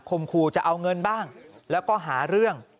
คู่จะเอาเงินบ้างแล้วก็หาเรื่อง